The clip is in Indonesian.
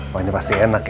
makanya pasti enak ya